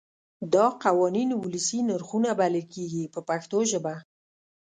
دا قوانین ولسي نرخونه بلل کېږي په پښتو ژبه.